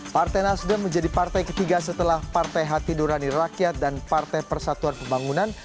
partai nasdem menjadi partai ketiga setelah partai hati durani rakyat dan partai persatuan pembangunan